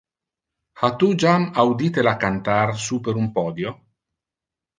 Ha tu jam audite la cantar super un podio?